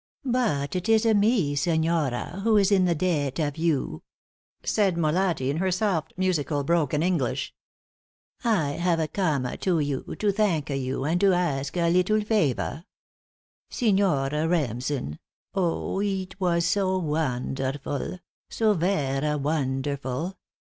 "But it is me, signora, who is in the debt of you," said Molatti, in her soft, musical, broken English. "I hava coma to you to thanka you and to ask a leetle favor. Signor Remsen! oh, eet was so wonderful so vera wonderful!